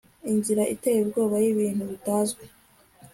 Inzira iteye ubwoba yibintu bitazwi